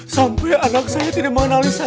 sampai anak saya tidak mengenali saya